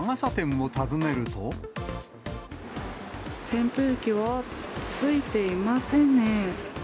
扇風機はついていませんね。